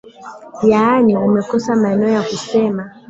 Yaani umekosa maneno ya kusema